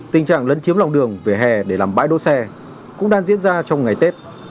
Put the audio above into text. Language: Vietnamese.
tình trạng lấn chiếm lòng đường về hè để làm bãi đỗ xe cũng đang diễn ra trong ngày tết